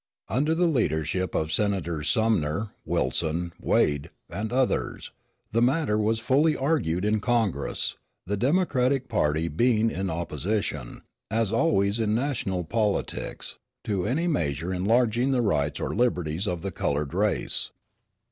Under the leadership of Senators Sumner, Wilson, Wade, and others, the matter was fully argued in Congress, the Democratic party being in opposition, as always in national politics, to any measure enlarging the rights or liberties of the colored race.